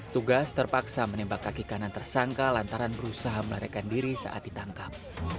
tugas terpaksa menembak kaki kanan tersangka lantaran berusaha melarikan diri saat ditangkap